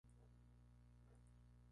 Cogió terror a su manera de vivir.